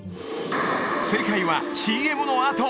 正解はＣＭのあと！